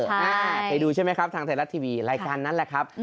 เคยดูใช่ไหมครับทางไทยรัฐทีวีรายการนั้นแหละครับ